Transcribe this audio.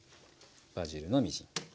バジルのみじん切り。